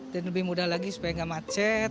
dan lebih mudah lagi supaya nggak macet